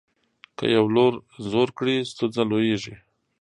که یو لور زور کړي ستونزه لویېږي.